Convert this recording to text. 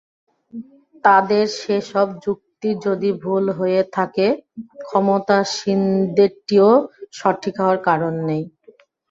তাদের সেসব যুক্তি যদি ভুল হয়ে থাকে, ক্ষমতাসীনদেরটিও সঠিক হওয়ার কারণ নেই।